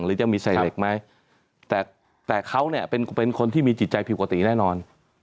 หรือจะมีใส่เหล็กไหมแต่เขาเนี่ยเป็นคนที่มีจิตใจผิดปกติแน่นอน